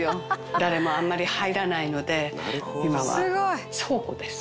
誰もあんまり入らないので今は倉庫です。